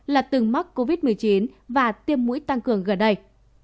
là từng mắc covid một mươi chín và tiêm mũi tăng cường gần đây